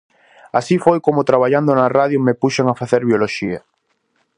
Así foi como traballando na radio me puxen a facer bioloxía.